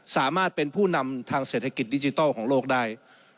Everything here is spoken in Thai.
สามารถเป็นผู้นำทางเศรษฐกิจดิจิทัลของโลกได้